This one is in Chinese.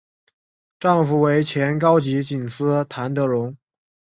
丈夫为前高级警司谭德荣。